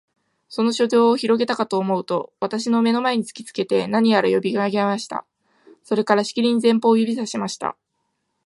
その書状をひろげたかとおもうと、私の眼の前に突きつけて、何やら読み上げました。それから、しきりに前方を指さしました。